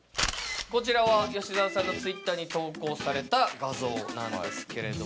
こちらは吉沢さんのＴｗｉｔｔｅｒに投稿された画像なんですが。